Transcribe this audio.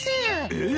えっ？